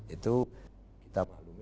itu kita paham